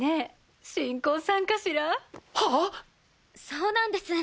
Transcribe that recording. そうなんです。